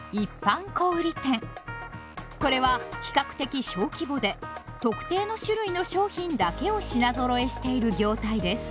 これは比較的小規模で特定の種類の商品だけを品ぞろえしている業態です。